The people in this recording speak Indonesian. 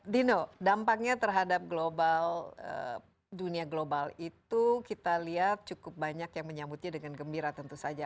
dino dampaknya terhadap global dunia global itu kita lihat cukup banyak yang menyambutnya dengan gembira tentu saja